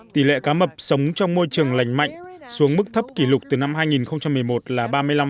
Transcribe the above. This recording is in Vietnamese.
tỷ lệ cá mập sống trong môi trường lành mạnh xuống mức thấp kỷ lục từ năm hai nghìn một mươi một là ba mươi năm